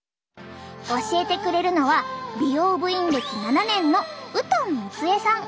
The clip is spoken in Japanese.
教えてくれるのは美容部員歴７年のウトン光恵さん。